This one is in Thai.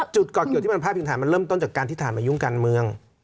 จุดเกาะเกี่ยวที่มันพาดพิงทหารมันเริ่มต้นจากการทิศทานมายุ่งกันเมือง